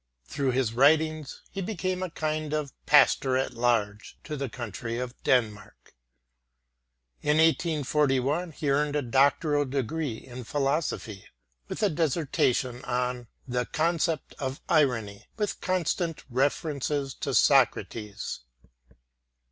Through his writings, he became a kind of pastor at large to the country of Denmark. In 1841 he earned a doctoral degree in philosophy, with a dissertation on The Concept of Irony: with Constant Reference to Socrates.